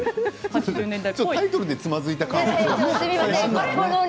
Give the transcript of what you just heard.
タイトルでつまずいた感が。